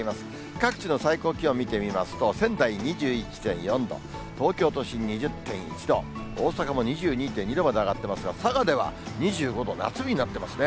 各地の最高気温見てみますと、仙台２１．４度、東京都心２０．１度、大阪も２２．２度まで上がってますが、佐賀では２５度、夏日になってますね。